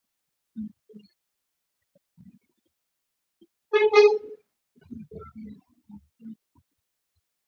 Kata viazi vipande vidogo vidogo